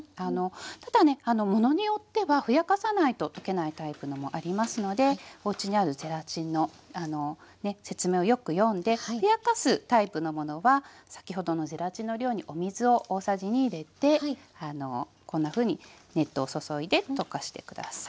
ただねものによってはふやかさないと溶けないタイプのもありますのでおうちにあるゼラチンの説明をよく読んでふやかすタイプのものは先ほどのゼラチンの量にお水を大さじ２入れてこんなふうに熱湯を注いで溶かして下さい。